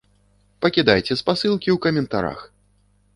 Пакідайце спасылкі ў каментарах!